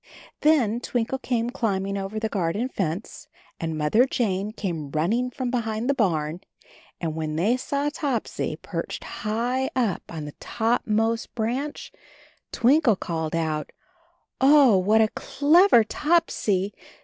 Then Twinkle came climbing over the gar den fence, and Mother Jane came running from behind the barn, and when they saw Topsy perched high up on the topmost ANB HIS KITTEN TOPSY 69 branch Twinkle called out, "Oh, what a clever Topsy!